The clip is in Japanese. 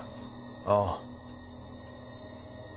ああ。